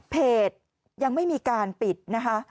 เพจยังไม่มีการปิดนะคะ